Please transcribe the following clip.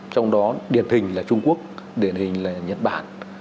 trong đó điển hình là trung quốc điển hình là nhật bản